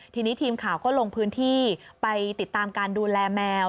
ทีนี้ทีมข่าวก็ลงพื้นที่ไปติดตามการดูแลแมว